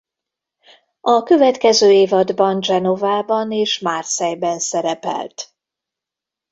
A következő évadban Genovában és Marseille-ben szerepelt.